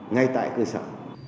ngay tại cơ sở